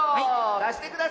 だしてください。